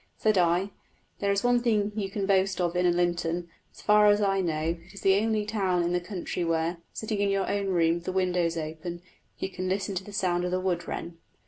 Said I, "There is one thing you can boast of in Lynton. So far as I know, it is the only town in the country where, sitting in your own room with the windows open, you can listen to the song of the wood wren."